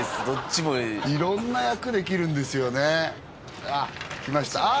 どっちもいい色んな役できるんですよねあっ来ました